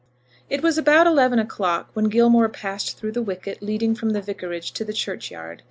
It was about eleven o'clock when Gilmore passed through the wicket leading from the vicarage garden to the churchyard.